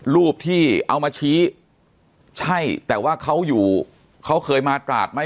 รูปที่เอามาชี้ใช่แต่ว่าเขาอยู่เขาเคยมาตราดไหม